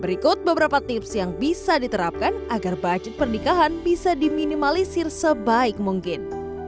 berikut beberapa tips yang bisa diterapkan agar budget pernikahan bisa diminimalisir sebaik mungkin